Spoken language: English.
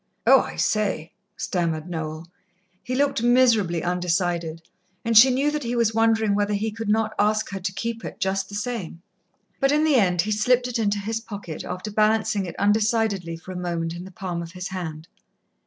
"Oh, I say," stammered Noel. He looked miserably undecided, and she knew that he was wondering whether he could not ask her to keep it just the same. But in the end he slipped it into his pocket, after balancing it undecidedly for a moment in the palm of his hand.